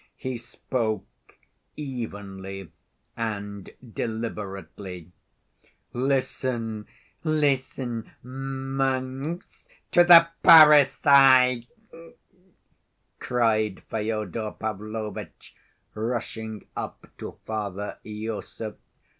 He spoke evenly and deliberately. "Listen, listen, monks, to the parricide!" cried Fyodor Pavlovitch, rushing up to Father Iosif.